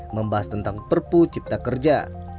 membahas tentang perpu cipta kerja